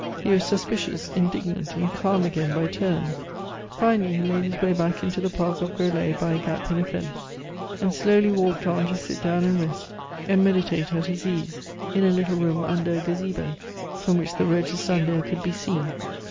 He was suspicious, indignant, and calm again by turns. Finally he made his way back into the park of Groslay by a gap in a fence, and slowly walked on to sit down and rest, and meditate at his ease, in a little room under a gazebo, from which the road to Saint Leu could be seen.